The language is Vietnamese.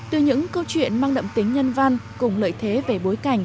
từ những câu chuyện mang đậm tính nhân văn cùng lợi thế về bối cảnh hình ảnh đẹp